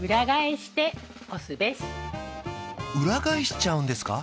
裏返しちゃうんですか？